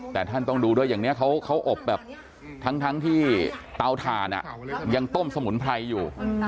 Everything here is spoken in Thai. แต่ท่านต้องดูด้วยอย่างนี้เขาอบแบบทั้งที่เตาถ่านยังต้มสมุนไพรอยู่